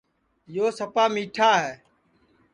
یو سپا مِیٹھا ہے